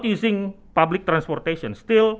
tidak menggunakan transportasi publik